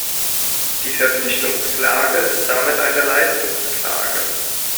Die Verpflichtungsklage ist damit eine Leistungsklage.